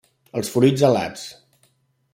Els fruits alats.